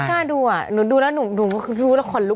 กล้าดูอ่ะหนูดูแล้วหนูก็คือรู้แล้วขนลุก